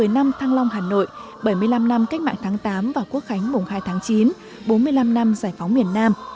một mươi năm thăng long hà nội bảy mươi năm năm cách mạng tháng tám và quốc khánh mùng hai tháng chín bốn mươi năm năm giải phóng miền nam